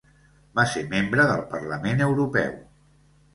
Va ser membre del Parlament Europeu.